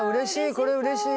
これうれしい。